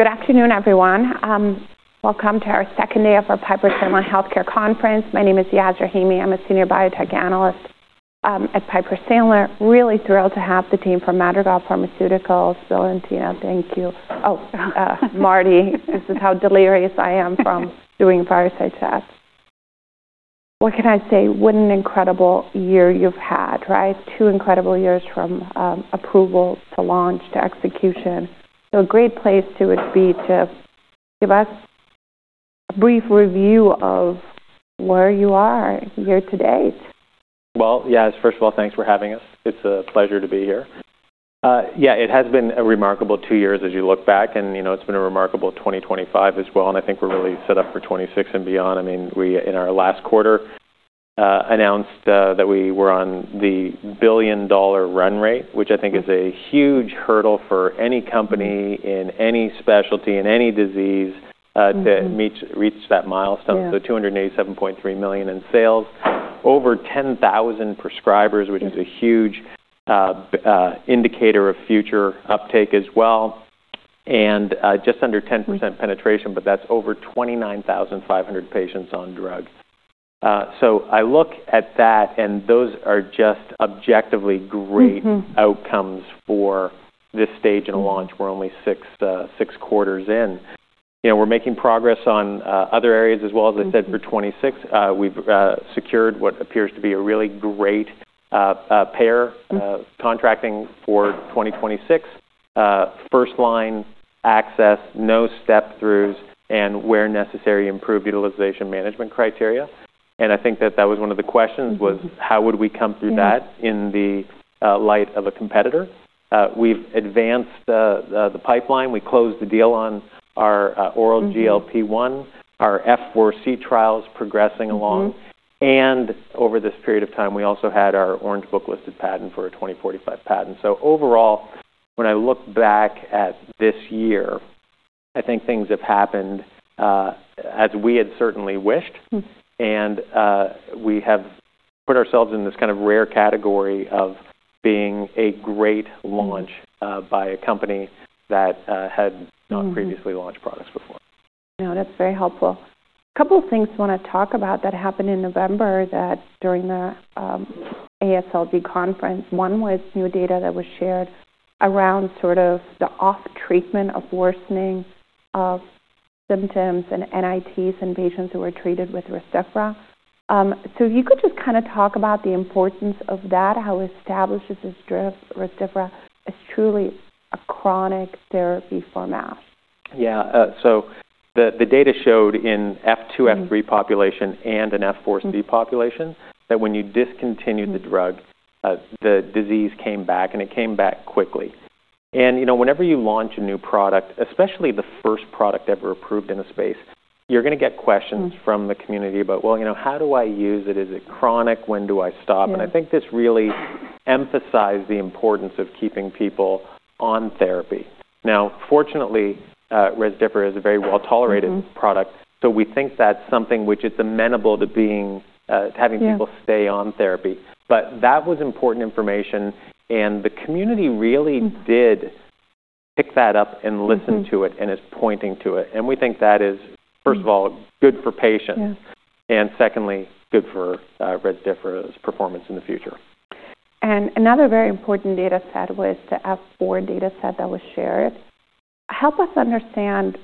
Good afternoon, everyone. Welcome to our second day of our Piper Pharma Healthcare Conference. My name is Yaz Rahimi. I'm a senior biotech analyst at Piper Sandler. Really thrilled to have the team from Madrigal Pharmaceuticals. Bill and Tina, thank you. Oh, Mardi, this is how delirious I am from doing fireside chats. What can I say? What an incredible year you've had, right? Two incredible years from approval to launch to execution. So a great place to would be to give us a brief review of where you are year to date. Yaz, first of all, thanks for having us. It's a pleasure to be here. Yeah, it has been a remarkable two years as you look back, and, you know, it's been a remarkable 2025 as well, and I think we're really set up for 2026 and beyond. I mean, we, in our last quarter, announced that we were on the billion-dollar run rate, which I think is a huge hurdle for any company in any specialty, in any disease, to meet, reach that milestone, so $287.3 million in sales, over 10,000 prescribers, which is a huge indicator of future uptake as well, and just under 10% penetration, but that's over 29,500 patients on drug, so I look at that, and those are just objectively great outcomes for this stage in a launch. We're only six, six quarters in. You know, we're making progress on other areas as well, as I said, for 2026. We've secured what appears to be a really great payer contracting for 2026, first-line access, no step-throughs, and where necessary, improved utilization management criteria. And I think that that was one of the questions, how would we come through that in light of a competitor. We've advanced the pipeline. We closed the deal on our oral GLP-1, our F4c trials progressing along. And over this period of time, we also had our Orange Book listed patent for a 2045 patent. So overall, when I look back at this year, I think things have happened as we had certainly wished. And we have put ourselves in this kind of rare category of being a great launch by a company that had not previously launched products before. No, that's very helpful. A couple of things I want to talk about that happened in November that during the AASLD conference. One was new data that was shared around sort of the off-treatment of worsening of symptoms and NITs in patients who were treated with Rezdiffra. So if you could just kind of talk about the importance of that, how established this is, Rezdiffra is truly a chronic therapy for MASH. Yeah. So the data showed in F2, F3 population, and in F4c population that when you discontinued the drug, the disease came back, and it came back quickly. And, you know, whenever you launch a new product, especially the first product ever approved in the space, you're going to get questions from the community about, well, you know, how do I use it? Is it chronic? When do I stop? And I think this really emphasized the importance of keeping people on therapy. Now, fortunately, Rezdiffra is a very well-tolerated product, so we think that's something which is amenable to being, having people stay on therapy. But that was important information, and the community really did pick that up and listen to it and is pointing to it. And we think that is, first of all, good for patients. And secondly, good for, Rezdiffra's performance in the future. And another very important data set was the F4 data set that was shared. Help us understand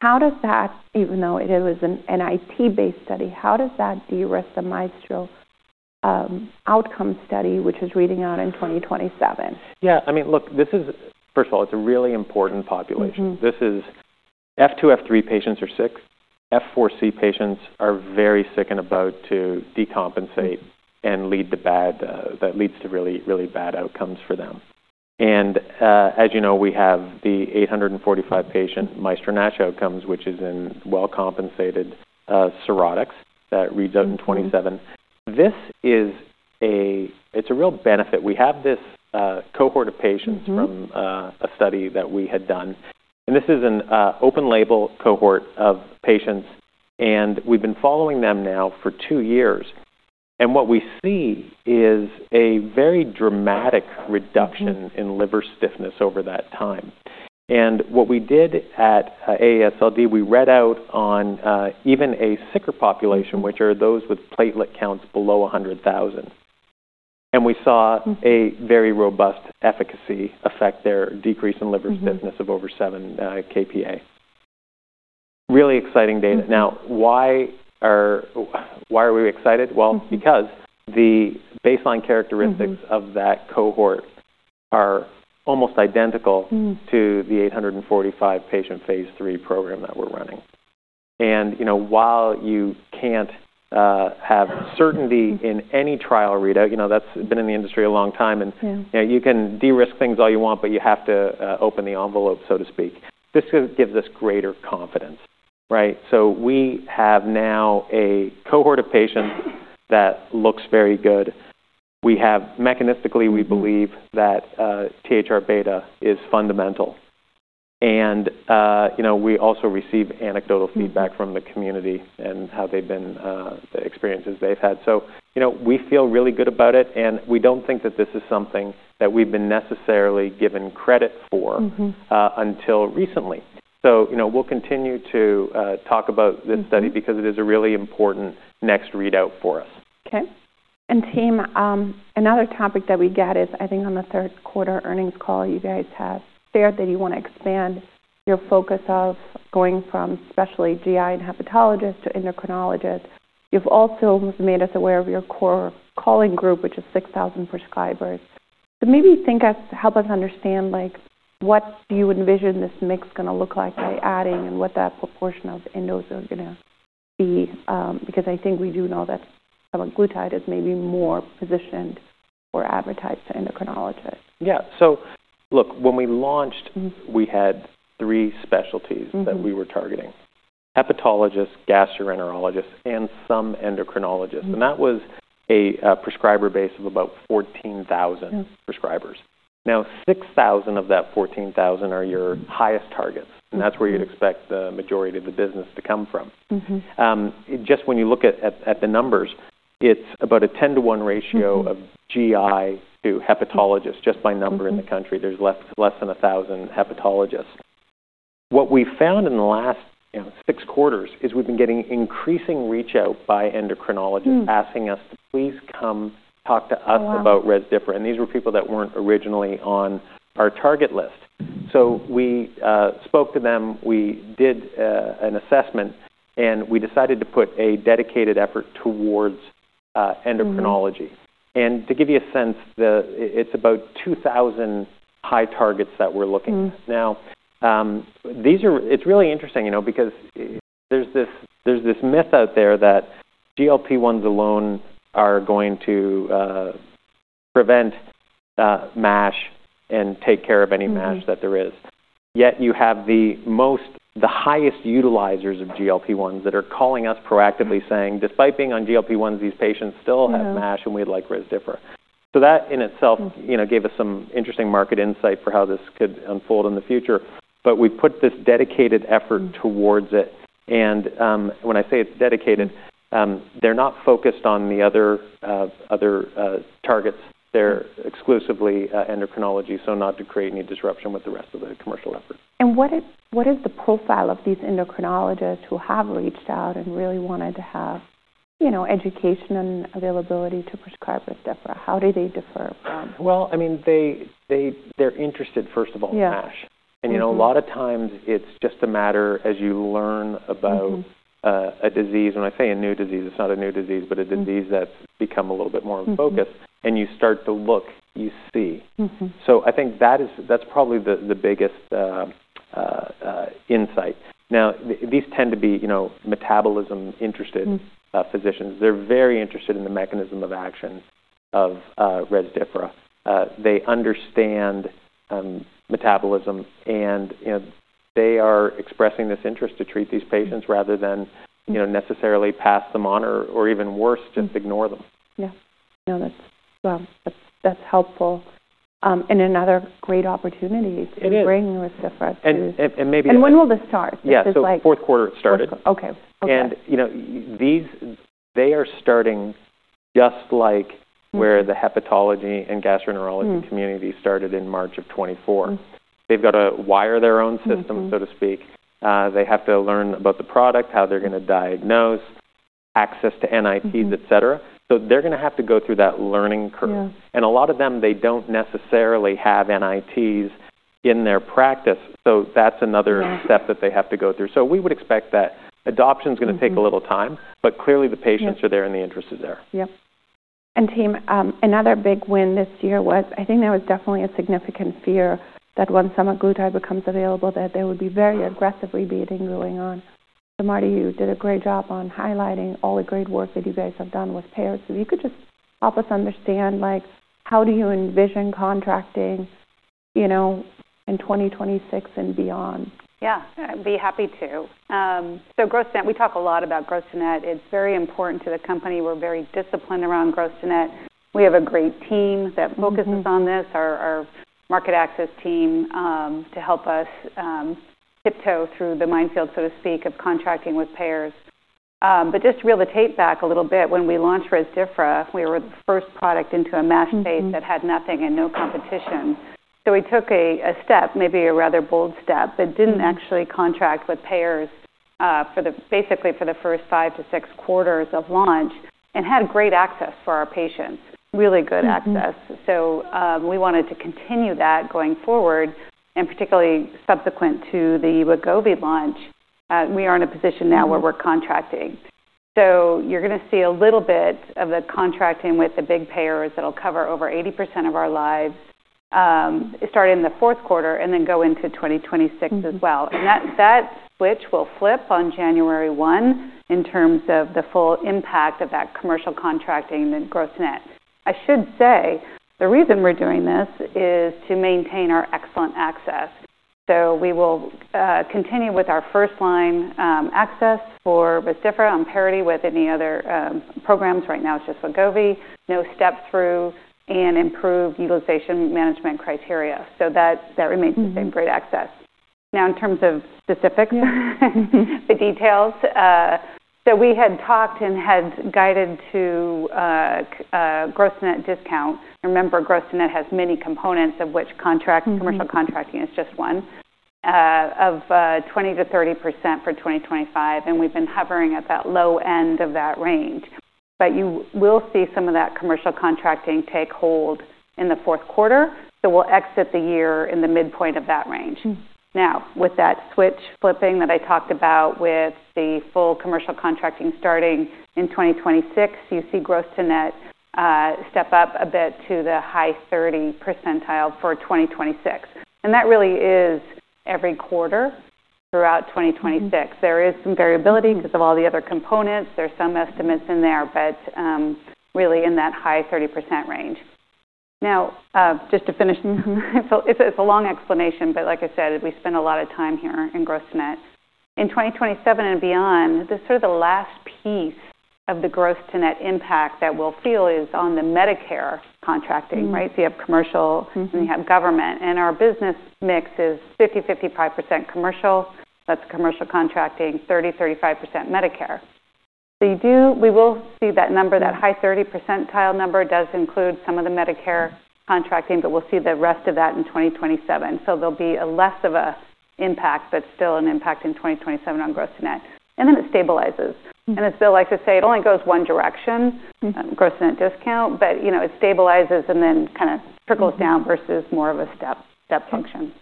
how does that, even though it was an NIT-based study, how does that de-risk the MAESTRO outcome study, which is reading out in 2027? Yeah. I mean, look, this is, first of all, it's a really important population. This is F2, F3 patients are sick. F4c patients are very sick and about to decompensate and lead to bad, that leads to really, really bad outcomes for them. And, as you know, we have the 845-patient MAESTRO-NASH outcomes, which is in well-compensated cirrhotics that reads out in 2027. This is a, it's a real benefit. We have this cohort of patients from a study that we had done. And this is an open-label cohort of patients, and we've been following them now for two years. And what we see is a very dramatic reduction in liver stiffness over that time. And what we did at AASLD, we read out on even a sicker population, which are those with platelet counts below 100,000. We saw a very robust efficacy effect there, a decrease in liver stiffness of over 7 kPa. Really exciting data. Now, why are we excited? Because the baseline characteristics of that cohort are almost identical to the 845-patient phase three program that we're running. You know, while you can't have certainty in any trial readout, you know, that's been in the industry a long time, and, you know, you can de-risk things all you want, but you have to open the envelope, so to speak. This gives us greater confidence, right? We have now a cohort of patients that looks very good. We have mechanistically, we believe that THR-beta is fundamental. You know, we also receive anecdotal feedback from the community and how they've been, the experiences they've had. So, you know, we feel really good about it, and we don't think that this is something that we've been necessarily given credit for, until recently. So, you know, we'll continue to talk about this study because it is a really important next readout for us. Okay. And, team, another topic that we get is, I think on the third quarter earnings call, you guys have shared that you want to expand your focus of going from specialty GI and hepatologists to endocrinologists. You've also made us aware of your core calling group, which is 6,000 prescribers. So maybe tell us, help us understand, like, what do you envision this mix going to look like by adding and what that proportion of endos are going to be, because I think we do know that semaglutide is maybe more positioned or advertised to endocrinologists. Yeah. So, look, when we launched, we had three specialties that we were targeting: hepatologists, gastroenterologists, and some endocrinologists. And that was a prescriber base of about 14,000 prescribers. Now, 6,000 of that 14,000 are your highest targets, and that's where you'd expect the majority of the business to come from. Just when you look at the numbers, it's about a 10 to 1 ratio of GI to hepatologists. Just by number in the country, there's less than 1,000 hepatologists. What we found in the last, you know, six quarters is we've been getting increasing reach out by endocrinologists asking us to please come talk to us about Rezdiffra. And these were people that weren't originally on our target list. So we spoke to them, we did an assessment, and we decided to put a dedicated effort towards endocrinology. And to give you a sense, it's about 2,000 high targets that we're looking at now. These are, it's really interesting, you know, because there's this, there's this myth out there that GLP-1s alone are going to prevent MASH and take care of any MASH that there is. Yet you have the most, the highest utilizers of GLP-1s that are calling us proactively saying, despite being on GLP-1s, these patients still have MASH, and we'd like Rezdiffra. So that in itself, you know, gave us some interesting market insight for how this could unfold in the future. But we've put this dedicated effort towards it. And, when I say it's dedicated, they're not focused on the other targets. They're exclusively endocrinology, so not to create any disruption with the rest of the commercial effort. What is the profile of these endocrinologists who have reached out and really wanted to have, you know, education and availability to prescribe Rezdiffra? How do they differ from? I mean, they’re interested, first of all, in MASH. You know, a lot of times it’s just a matter as you learn about a disease. When I say a new disease, it’s not a new disease, but a disease that’s become a little bit more in focus, and you start to look, you see. I think that is that’s probably the biggest insight. Now, these tend to be, you know, metabolism-interested physicians. They’re very interested in the mechanism of action of Rezdiffra. They understand metabolism, and, you know, they are expressing this interest to treat these patients rather than, you know, necessarily pass them on or even worse, just ignore them. Yeah. No, that's, well, that's helpful, and another great opportunity to bring Rezdiffra to. And maybe. When will this start? Yeah, so fourth quarter it started. Fourth quarter. Okay. You know, these, they are starting just like where the hepatology and gastroenterology community started in March of 2024. They've got to wire their own system, so to speak. They have to learn about the product, how they're going to diagnose, access to NITs, etc. They're going to have to go through that learning curve. A lot of them, they don't necessarily have NITs in their practice. That's another step that they have to go through. We would expect that adoption is going to take a little time, but clearly the patients are there and the interest is there. Yep. And, team, another big win this year was, I think there was definitely a significant fear that once semaglutide becomes available, that there would be very aggressive rebating going on. So, Mardi, you did a great job on highlighting all the great work that you guys have done with payers. So if you could just help us understand, like, how do you envision contracting, you know, in 2026 and beyond? Yeah. I'd be happy to. So, gross-to-net, we talk a lot about gross-to-net. It's very important to the company. We're very disciplined around gross-to-net. We have a great team that focuses on this, our market access team, to help us tiptoe through the minefield, so to speak, of contracting with payers. But just reel the tape back a little bit. When we launched Rezdiffra, we were the first product into a MASH space that had nothing and no competition. So we took a step, maybe a rather bold step, but didn't actually contract with payers, basically for the first five to six quarters of launch and had great access for our patients, really good access. So, we wanted to continue that going forward and particularly subsequent to the Wegovy launch. We are in a position now where we're contracting. So you're going to see a little bit of the contracting with the big payers that'll cover over 80% of our lives, start in the fourth quarter and then go into 2026 as well. And that switch will flip on January 1 in terms of the full impact of that commercial contracting and gross-to-net. I should say the reason we're doing this is to maintain our excellent access. So we will continue with our first line access for Rezdiffra on parity with any other programs. Right now it's just Wegovy, no step through, and improved utilization management criteria. So that remains the same great access. Now, in terms of specifics, the details, so we had talked and had guided to gross-to-net discount. Remember, gross-to-net has many components of which contractual commercial contracting is just one of 20%-30% for 2025. And we've been hovering at that low end of that range. But you will see some of that commercial contracting take hold in the fourth quarter. So we'll exit the year in the midpoint of that range. Now, with that switch flipping that I talked about with the full commercial contracting starting in 2026, you see gross-to-net step up a bit to the high 30 percentile for 2026. And that really is every quarter throughout 2026. There is some variability because of all the other components. There's some estimates in there, but really in that high 30% range. Now, just to finish, it's a long explanation, but like I said, we spend a lot of time here in gross-to-net. In 2027 and beyond, this is sort of the last piece of the gross-to-net impact that we'll feel is on the Medicare contracting, right? You have commercial and you have government. Our business mix is 50%-55% commercial, that's commercial contracting, 30%-35% Medicare. You do, we will see that number, that high 30 percentile number does include some of the Medicare contracting, but we'll see the rest of that in 2027. There'll be less of an impact, but still an impact in 2027 on gross-to-net. Then it stabilizes. As Bill likes to say, it only goes one direction, gross-to-net discount, but, you know, it stabilizes and then kind of trickles down versus more of a step, step function.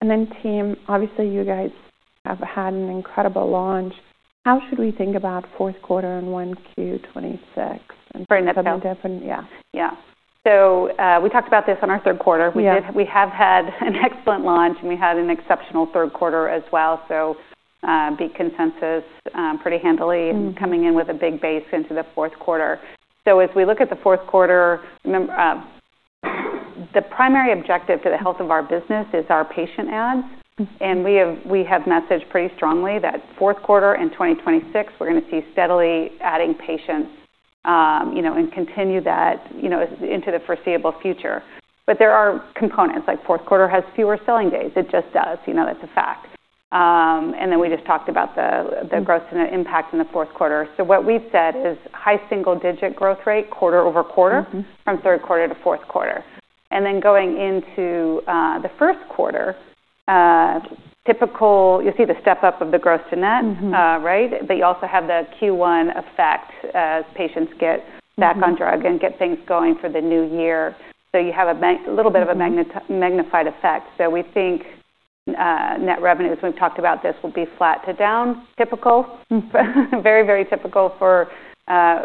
And then, team, obviously you guys have had an incredible launch. How should we think about fourth quarter and 1Q 2026? For Rezdiffra? Yeah. Yeah. So, we talked about this on our third quarter. We did. We have had an excellent launch and we had an exceptional third quarter as well. So, big consensus pretty handily coming in with a big base into the fourth quarter. So as we look at the fourth quarter, remember, the primary objective to the health of our business is our patient adds. And we have messaged pretty strongly that fourth quarter in 2026, we're going to see steadily adding patients, you know, and continue that, you know, into the foreseeable future. But there are components like fourth quarter has fewer selling days. It just does, you know. That's a fact. And then we just talked about the gross-to-net impact in the fourth quarter. So what we've said is high single digit growth rate, quarter over quarter from third quarter to fourth quarter. And then going into the first quarter, typical, you'll see the step up of the gross-to-net, right? But you also have the Q1 effect as patients get back on drug and get things going for the new year. So you have a little bit of a magnified effect. So we think net revenues, we've talked about this, will be flat to down, typical, very, very typical for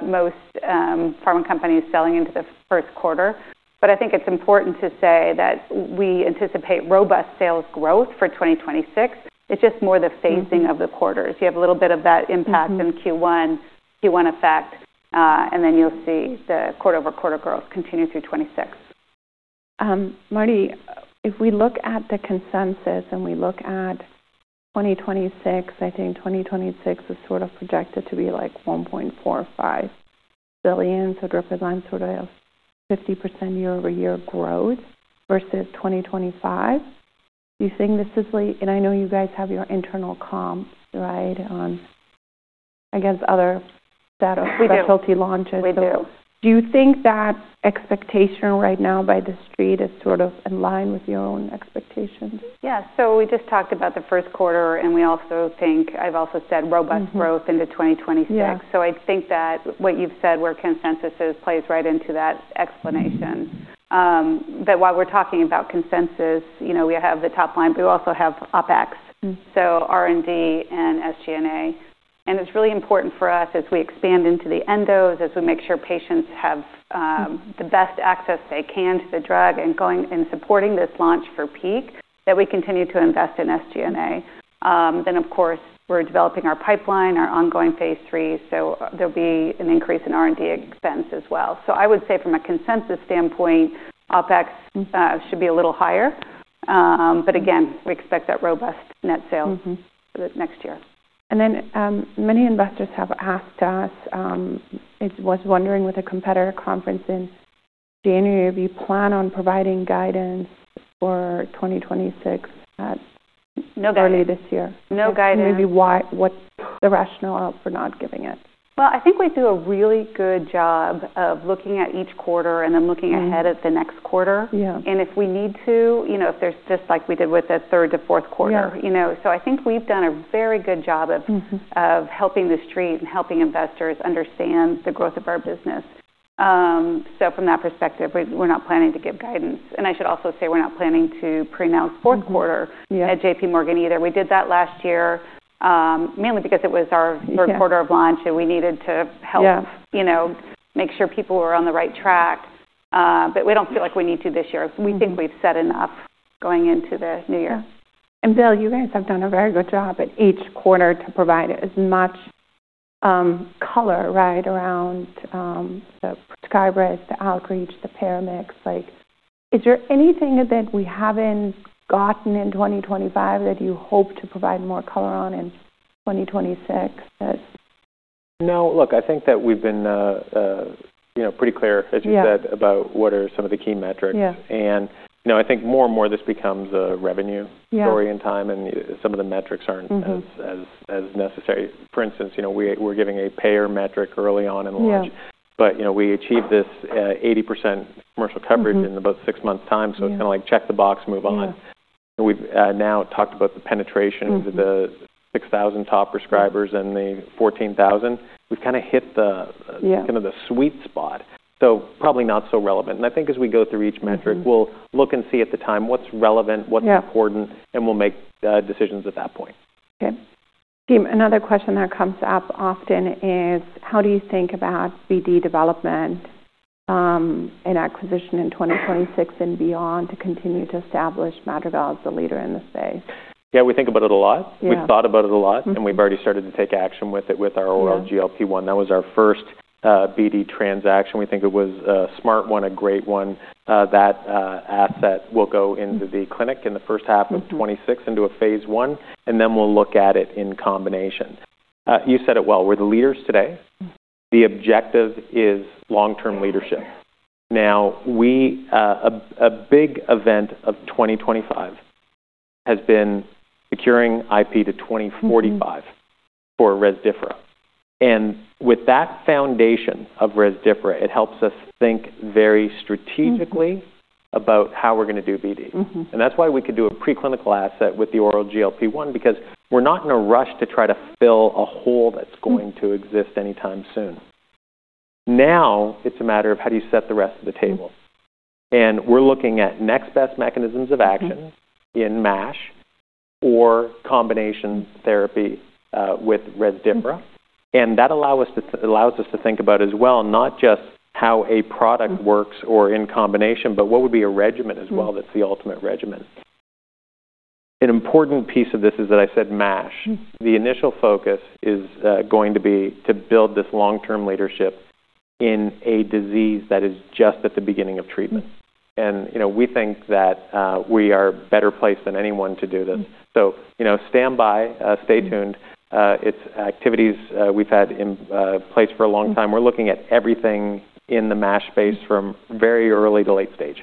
most pharma companies selling into the first quarter. But I think it's important to say that we anticipate robust sales growth for 2026. It's just more the phasing of the quarters. You have a little bit of that impact in Q1, Q1 effect, and then you'll see the quarter over quarter growth continue through 2026. Mardi, if we look at the consensus and we look at 2026, I think 2026 is sort of projected to be like $1.45 billion. So it represents sort of 50% year over year growth versus 2025. Do you think this is like, and I know you guys have your internal comps, right, on against other specialty launches? We do. Do you think that expectation right now by the street is sort of in line with your own expectations? Yeah, so we just talked about the first quarter, and we also think I've also said robust growth into 2026, so I think that what you've said, where consensus is, plays right into that explanation, but while we're talking about consensus, you know, we have the top line, but we also have OpEx, so R&D and SG&A, and it's really important for us as we expand into the endos, as we make sure patients have the best access they can to the drug and going and supporting this launch for peak, that we continue to invest in SG&A, then of course we're developing our pipeline, our ongoing phase three, so there'll be an increase in R&D expense as well, so I would say from a consensus standpoint, OpEx should be a little higher, but again we expect that robust net sales for the next year. Then, many investors have asked us. I was wondering, with a competitor conference in January, if you plan on providing guidance for 2026 or early this year. No guidance. Maybe why? What's the rationale for not giving it? I think we do a really good job of looking at each quarter and then looking ahead at the next quarter. If we need to, you know, if there's just like we did with the third to fourth quarter, you know, so I think we've done a very good job of helping the street and helping investors understand the growth of our business. From that perspective, we're not planning to give guidance. I should also say we're not planning to pre-announce fourth quarter at JPMorgan either. We did that last year, mainly because it was our third quarter of launch and we needed to help, you know, make sure people were on the right track, but we don't feel like we need to this year. We think we've said enough going into the new year. And Bill, you guys have done a very good job at each quarter to provide as much color, right, around the sales bridge, the outreach, the payer mix. Like, is there anything that we haven't gotten in 2025 that you hope to provide more color on in 2026? No, look, I think that we've been, you know, pretty clear, as you said, about what are some of the key metrics. And, you know, I think more and more this becomes a revenue story in time and some of the metrics aren't as necessary. For instance, you know, we're giving a payer metric early on in launch, but, you know, we achieved this 80% commercial coverage in about six months' time. So it's kind of like check the box, move on. We've now talked about the penetration to the 6,000 top prescribers and the 14,000. We've kind of hit the, kind of the sweet spot. So probably not so relevant. And I think as we go through each metric, we'll look and see at the time what's relevant, what's important, and we'll make decisions at that point. Okay. Team, another question that comes up often is how do you think about BD development, and acquisition in 2026 and beyond to continue to establish Madrigal as the leader in the space? Yeah, we think about it a lot. We've thought about it a lot and we've already started to take action with it with our GLP-1. That was our first BD transaction. We think it was a smart one, a great one, that asset will go into the clinic in the first half of 2026 into a phase I, and then we'll look at it in combination. You said it well, we're the leaders today. The objective is long-term leadership. Now, a big event of 2025 has been securing IP to 2045 for Rezdiffra. And with that foundation of Rezdiffra, it helps us think very strategically about how we're going to do BD. And that's why we could do a preclinical asset with the oral GLP-1, because we're not in a rush to try to fill a hole that's going to exist anytime soon. Now, it's a matter of how do you set the rest of the table and we're looking at next best mechanisms of action in MASH or combination therapy with Rezdiffra and that allows us to think about as well not just how a product works or in combination but what would be a regimen as well that's the ultimate regimen. An important piece of this is that I said MASH. The initial focus is going to be to build this long-term leadership in a disease that is just at the beginning of treatment and you know we think that we are better placed than anyone to do this so you know stand by stay tuned. It's activities we've had in place for a long time. We're looking at everything in the MASH space from very early to late stage.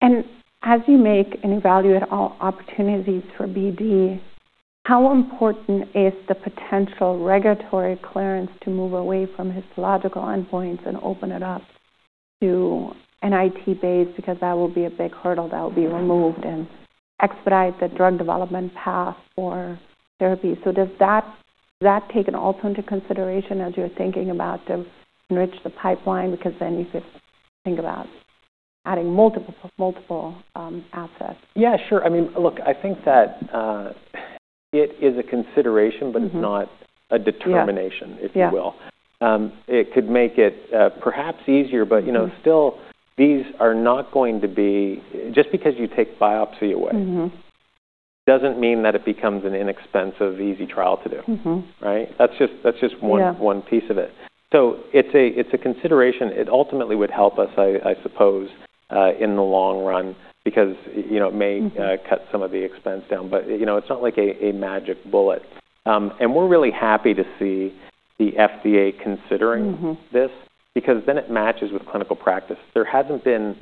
And as you make and evaluate all opportunities for BD, how important is the potential regulatory clearance to move away from histological endpoints and open it up to an NIT base because that will be a big hurdle that will be removed and expedite the drug development path for therapy? So does that, does that take an alternative consideration as you're thinking about to enrich the pipeline? Because then you could think about adding multiple, multiple, assets. Yeah, sure. I mean, look, I think that it is a consideration, but it's not a determination, if you will. It could make it perhaps easier, but you know, still, these are not going to be just because you take biopsy away, doesn't mean that it becomes an inexpensive, easy trial to do, right? That's just one piece of it. So it's a consideration. It ultimately would help us, I suppose, in the long run because you know, it may cut some of the expense down, but you know, it's not like a magic bullet, and we're really happy to see the FDA considering this because then it matches with clinical practice. There hasn't been.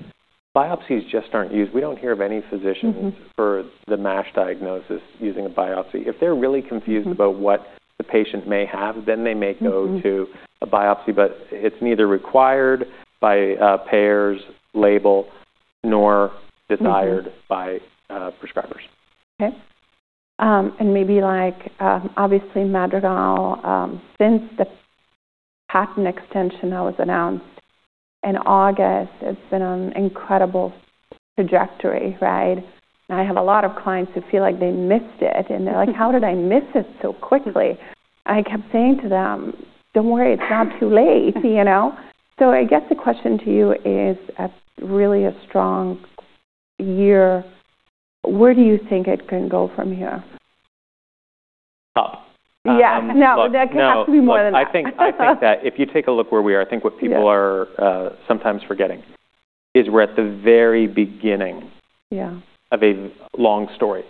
Biopsies just aren't used. We don't hear of any physicians for the MASH diagnosis using a biopsy. If they're really confused about what the patient may have, then they may go to a biopsy, but it's neither required by payers, label nor desired by prescribers. Okay. And maybe like, obviously Madrigal, since the patent extension that was announced in August, it's been an incredible trajectory, right? And I have a lot of clients who feel like they missed it and they're like, how did I miss it so quickly? I kept saying to them, don't worry, it's not too late, you know? So I guess the question to you is really a strong year. Where do you think it can go from here? Up. Yeah. No, that could have to be more than that. I think that if you take a look where we are, I think what people are sometimes forgetting is we're at the very beginning of a long story.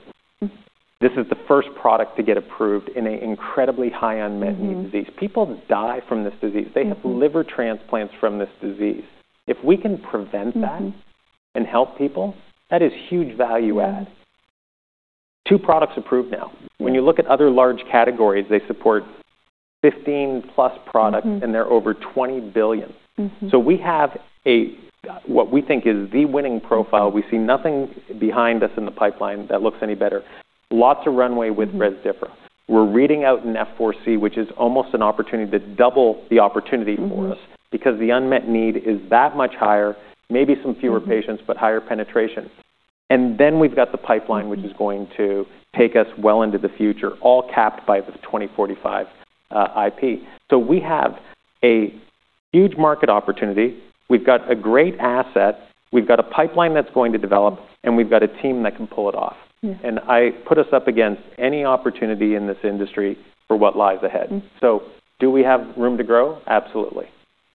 This is the first product to get approved in an incredibly high unmet need disease. People die from this disease. They have liver transplants from this disease. If we can prevent that and help people, that is huge value add. Two products approved now. When you look at other large categories, they support 15+ products and they're over $20 billion. So we have what we think is the winning profile. We see nothing behind us in the pipeline that looks any better. Lots of runway with Rezdiffra. We're reading out an F4c, which is almost an opportunity to double the opportunity for us because the unmet need is that much higher, maybe some fewer patients, but higher penetration. And then we've got the pipeline, which is going to take us well into the future, all capped by the 2045 IP. So we have a huge market opportunity. We've got a great asset. We've got a pipeline that's going to develop, and we've got a team that can pull it off. And I put us up against any opportunity in this industry for what lies ahead. So do we have room to grow? Absolutely.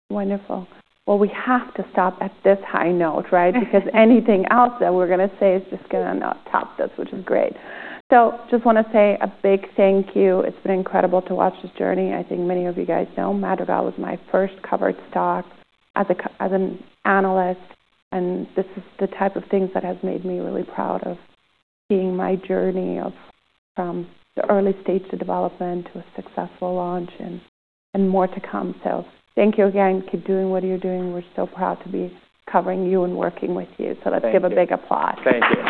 Wonderful. Well, we have to stop at this high note, right? Because anything else that we're going to say is just going to not top this, which is great. So just want to say a big thank you. It's been incredible to watch this journey. I think many of you guys know Madrigal was my first covered stock as an analyst, and this is the type of things that has made me really proud of being my journey of from the early stage to development to a successful launch and more to come. So thank you again. Keep doing what you're doing. We're so proud to be covering you and working with you. So let's give a big applause. Thank you.